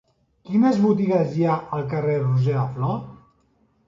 Quines botigues hi ha al carrer de Roger de Flor?